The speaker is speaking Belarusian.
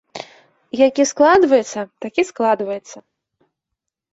Які складваецца, такі складваецца.